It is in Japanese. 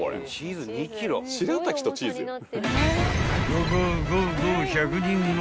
［ゴーゴーゴーゴー１００人前］